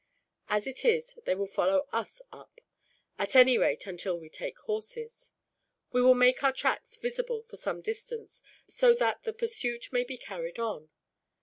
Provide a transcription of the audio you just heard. As it is, they will follow us up, at any rate until we take horses. We will make our track visible, for some distance, so that the pursuit may be carried on.